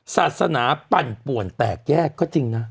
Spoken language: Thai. ศาสนาปั่นป่วนแตกแยกก็จริงนะ